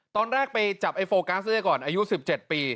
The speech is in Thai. ตอนแรกไปจับไอ้โฟกัสได้ก่อนอายุ๑๗ปี